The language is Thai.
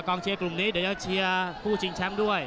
เชียร์กลุ่มนี้เดี๋ยวจะเชียร์คู่ชิงแชมป์ด้วย